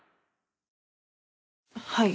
はい。